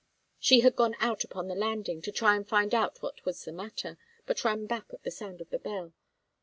She had gone out upon the landing, to try and find out what was the matter, but ran back at the sound of the bell.